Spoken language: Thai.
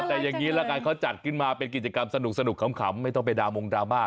แต่อย่างนี้ละกันเขาจัดขึ้นมาเป็นกิจกรรมสนุกขำไม่ต้องไปดามงดราม่า